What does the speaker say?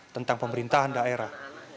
tentang pemerintahan daerah